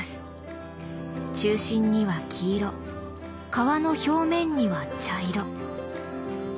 中心には黄色皮の表面には茶色。